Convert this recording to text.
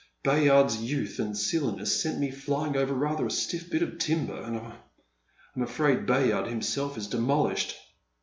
Bayard's youth and silliness sent me flying over rather a stiff bit of timber, and I'm afraid Bayard himself is demolished.